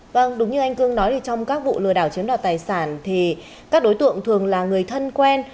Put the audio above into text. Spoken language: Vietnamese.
vâng đúng như anh cương nói thì trong các vụ lừa đảo chiếm đoạt tài sản thì các đối tượng thường là người thân quen